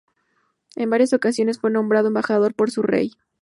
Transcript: En varias ocasiones fue nombrado embajador por su rey.